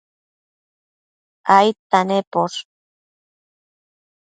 aidta nemposh?